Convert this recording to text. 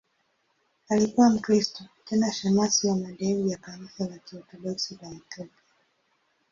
Alikuwa Mkristo, tena shemasi wa madhehebu ya Kanisa la Kiorthodoksi la Ethiopia.